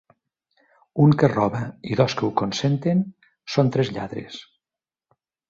Un que roba i dos que ho consenten són tres lladres.